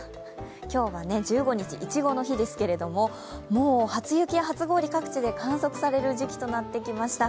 今日は１５日、いちごの日ですけどもう初雪、初氷、各地で観測される時期となってきました。